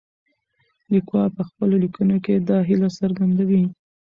لیکوال په خپلو لیکنو کې دا هیله څرګندوي.